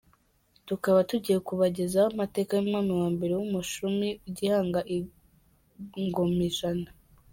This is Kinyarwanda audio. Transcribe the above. Tukaba tugiye kubagezaho amateka y’Umwami wa mbere w’Umushumi, Gihanga I Ngomijana.